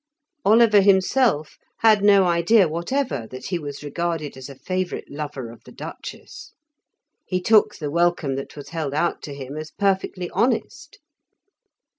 Oliver himself had no idea whatever that he was regarded as a favourite lover of the Duchess; he took the welcome that was held out to him as perfectly honest.